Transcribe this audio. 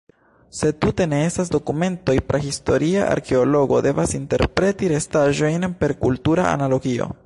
Se tute ne estas dokumentoj, prahistoria arkeologo devas interpreti restaĵojn per kultura analogio.